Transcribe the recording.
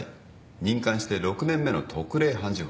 任官して６年目の特例判事補。